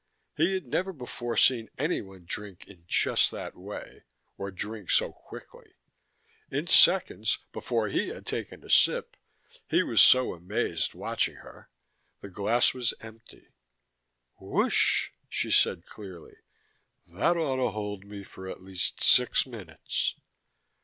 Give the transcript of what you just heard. He had never before seen anyone drink in just that way, or drink so quickly. In seconds, before he had taken a sip (he was so amazed, watching her), the glass was empty. "Whoosh," she said clearly. "That ought to hold me for at least six minutes."